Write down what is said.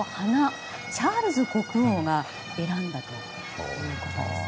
チャールズ国王が選んだということです。